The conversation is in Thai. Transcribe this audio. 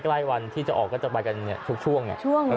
ใกล้วันที่จะออกก็จะไปกันทุกช่วง